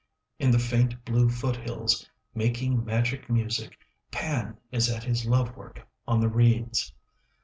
In the faint blue foothills, Making magic music, 10 Pan is at his love work On the reeds.